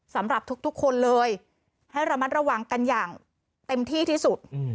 สำหรับทุกคนเลยให้ระมัดระวังกันอย่างเต็มที่ที่สุด